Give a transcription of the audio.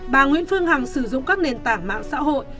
bà nguyễn phương hằng sử dụng các nền tảng mạng xã hội